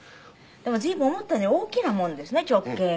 でも随分思ったより大きなもんですね直径が。